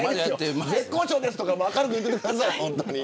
絶好調ですとか明るく言ってください。